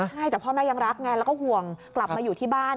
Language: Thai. ใช่แต่พ่อแม่ยังรักไงแล้วก็ห่วงกลับมาอยู่ที่บ้าน